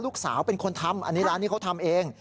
ลูกสาวเป็นคนทำอันนี้ร้านนี้เขาทำเอง